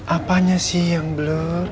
apanya sih yang blur